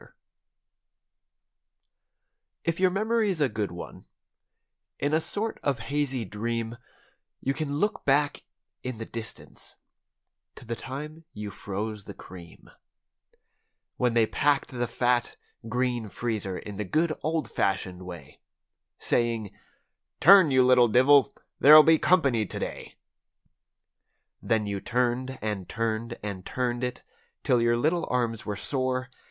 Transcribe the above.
\\w\ \\ YOUR memory's a good one, in a sort of hazy dream You can look back in the distance to the time you froze the cream; When they packed the fat, green freezer in the good old fashioned way Saying, "Turn, you little divvle; there'll be company to¬ day." Then you turned and turned and turned it, 'til your little arms were sore.